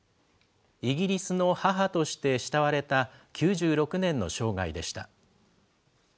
イギリスの母として慕われた９６年の生涯でした。